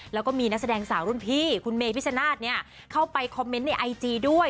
แล้วก็มีนักแสดงสาวรุ่นพี่คุณเมพิชนาธิ์เข้าไปคอมเมนต์ในไอจีด้วย